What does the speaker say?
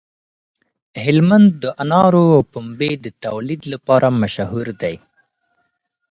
هلمند د انارو او پنبې د تولید لپاره مشهور دی.